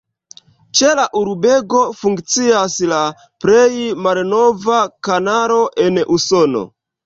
Ĉe la urbego funkcias la plej malnova kanalo en Usono.